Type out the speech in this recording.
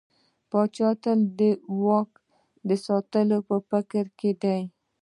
پاچا تل د خپل واک د ساتلو په فکر کې دى.